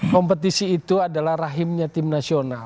kompetisi itu adalah rahimnya tim nasional